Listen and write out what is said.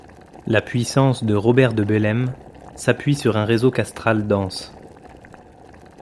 La puissance de Robert de Bellême s'appuie sur un réseau castral dense.